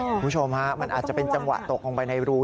คุณผู้ชมฮะมันอาจจะเป็นจังหวะตกลงไปในรู